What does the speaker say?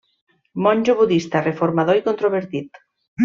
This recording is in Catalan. Monjo budista reformador i controvertit.